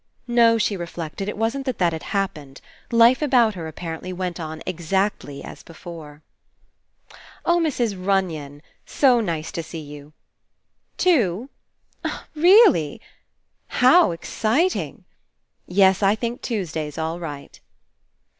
No, she reflected, it wasn't that that had happened. Life about her, apparently, went on exactly as before. "Oh, Mrs. Runyon. ... So nice to see you. ... Two? ... Really? ... How ex citing! ... Yes, I think Tuesday's all right.